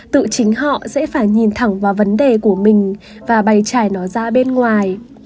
tự chính họ sẽ phải nhìn thẳng vào vấn đề của mình và bày trải nó ra bên ngoài